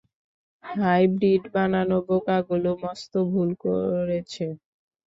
Hybrid বানানো বোকাগুলো মস্ত ভুল করেছে।